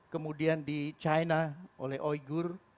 kemudian di china oleh oyghur